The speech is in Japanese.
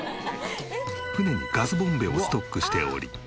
船にガスボンベをストックしており。